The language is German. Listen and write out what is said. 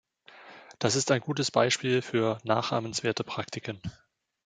Das ist ein gutes Beispiel für nachahmenswerte Praktiken.